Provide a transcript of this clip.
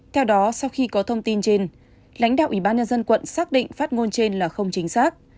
theo đó sau khi có thông tin trên lãnh đạo ủy ban nhân dân quận xác định phát ngôn trên là không chính xác